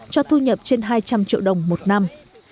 cho thu nhập trên hai trăm linh triệu đồng một năm